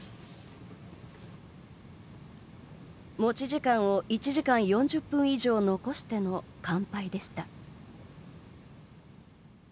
持ち時間を１時間４０分以上残しての完敗でした。